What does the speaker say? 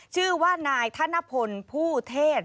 ท่านท่านนายท่านน่ะพนธ์ผู้เทศ